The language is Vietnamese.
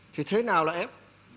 thì thế nào là ép